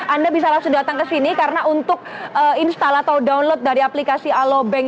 anda bisa langsung datang ke sini karena untuk install atau download dari aplikasi alobank